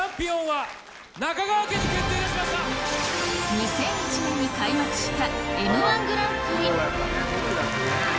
２００１年に開幕したＭ−１グランプリ！